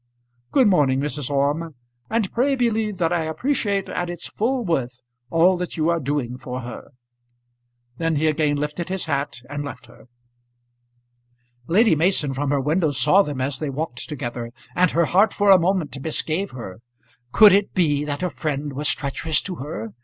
Good morning, Mrs. Orme; and pray believe that I appreciate at its full worth all that you are doing for her." Then he again lifted his hat and left her. Lady Mason from her window saw them as they walked together, and her heart for a moment misgave her. Could it be that her friend was treacherous to her?